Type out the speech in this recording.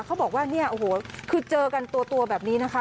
เขาบอกว่าเนี่ยโอ้โหคือเจอกันตัวแบบนี้นะคะ